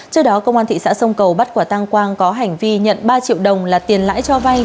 trước đó công an thị xã sông cầu bắt quả tăng quang có hành vi nhận ba triệu đồng là tiền lãi cho vay